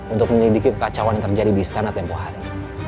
untuk menyelidiki kekacauan yang terjadi di istana tempoh hari